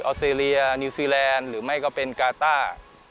สเตรเลียนิวซีแลนด์หรือไม่ก็เป็นกาต้า